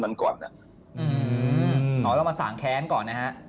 ถึงความรู้วิธีที่ปกครอง